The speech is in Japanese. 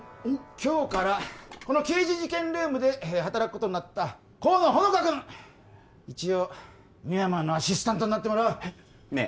今日からこの刑事事件ルームで働くことになった河野穂乃果君一応深山のアシスタントになってもらうねえ